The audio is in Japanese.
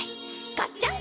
ガッチャン！